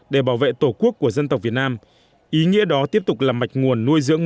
để bảo vệ tổ quốc của dân tộc việt nam ý nghĩa đó tiếp tục là mạch nguồn nuôi dưỡng